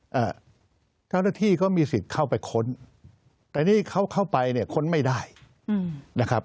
เจ้าหน้าที่ก็มีสิทธิ์เข้าไปค้นแต่นี่เขาเข้าไปเนี่ยค้นไม่ได้อืมนะครับ